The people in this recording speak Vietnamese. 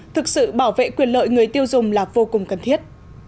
thực sự bảo vệ quyền lợi người tiêu dùng là vô cùng cần thiết